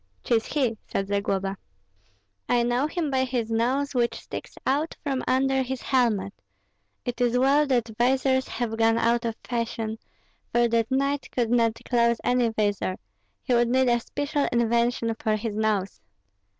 "'Tis he," said Zagloba; "I know him by his nose, which sticks out from under his helmet. It is well that visors have gone out of fashion, for that knight could not close any visor; he would need a special invention for his nose."